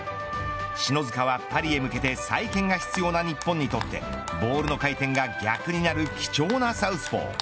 篠塚はパリへ向けて再建が必要な日本にとってボールの回転が逆になる貴重なサウスポー。